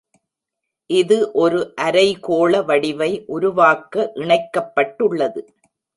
இது ஒரு அரைகோள வடிவை உருவாக்க இணைக்கப்பட்டுள்ளது.